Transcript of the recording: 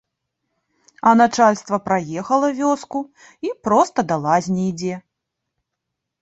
А начальства праехала вёску і проста да лазні ідзе.